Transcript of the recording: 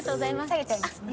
下げちゃいますね。